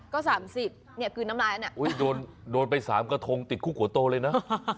ก็สามสิบเนี่ยคืนน้ำลายแล้วเนี่ยโอ้ยโดนไปสามกระทงติดคู่ขัวโตเลยนะ